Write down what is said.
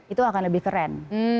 itu akan lebih keren